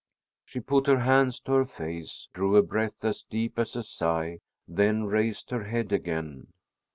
She put her hands to her face, drew a breath as deep as a sigh, then raised her head again.